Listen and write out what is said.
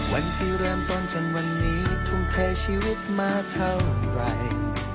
วันที่เริ่มต้นจนวันนี้ทุ่มเทชีวิตมาเท่าไหร่